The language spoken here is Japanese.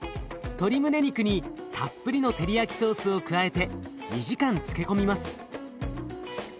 鶏胸肉にたっぷりのテリヤキソースを加えて２時間漬け込みます。